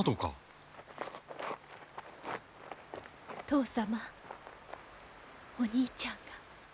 父様お兄ちゃんが。